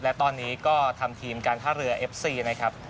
และตอนนี้ก็ทำทีมการท่าเรือเอฟซีนะครับ